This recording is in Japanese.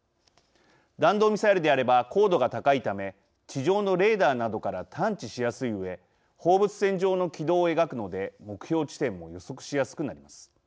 弾道ミサイルであれば高度が高いため地上のレーダーなどから探知しやすいうえ放物線状の軌道を描くので目標地点も予測しやすくなります。